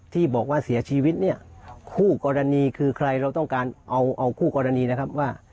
ที่บอกว่าเสียชีวิตคู่กรณีคือใครเราต้องการเอาคู่กรณีว่า